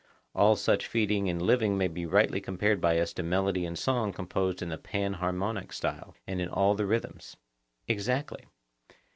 All such feeding and living may be rightly compared by us to melody and song composed in the panharmonic style, and in all the rhythms. Exactly.